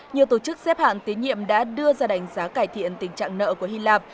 nhiều tổ chức xếp hạng tín nhiệm đã đưa ra đánh giá cải thiện tình trạng nợ của hy lạp